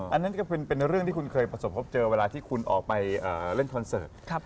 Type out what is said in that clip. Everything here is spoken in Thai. อันนั้นก็เป็นเรื่องที่คุณเคยประสบพบเจอเวลาที่คุณออกไปเล่นคอนเสิร์ต